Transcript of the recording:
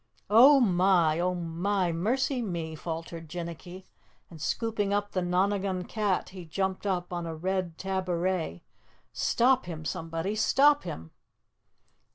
"Oh, my! Oh, my mercy me!" faltered Jinnicky, and scooping up the Nonagon Cat, he jumped up on a red tabouret. "Stop him, somebody! Stop him!"